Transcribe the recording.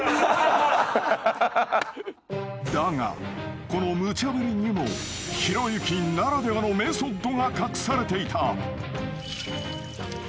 ［だがこのむちゃぶりにもひろゆきならではのメソッドが隠されていた］